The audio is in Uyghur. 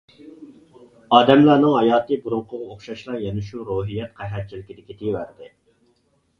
ئادەملەرنىڭ ھاياتى بۇرۇنقىغا ئوخشاشلا يەنە شۇ روھىيەت قەھەتچىلىكىدە كېتىۋەردى.